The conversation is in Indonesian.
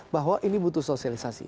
bahwa ini butuh sosialisasi